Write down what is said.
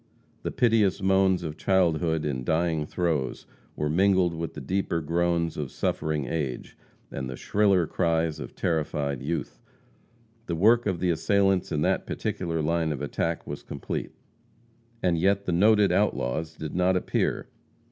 The piteous moans of childhood in dying throes, were mingled with the deeper groans of suffering age, and the shriller cries of terrified youth. The work of the assailants in that particular line of attack was complete. And yet the noted outlaws did not appear.